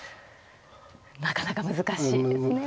なかなか難しいですね。